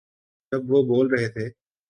جب وہ بول رہے تھے۔